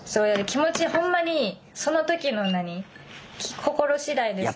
気持ちほんまにその時の何心次第でさ。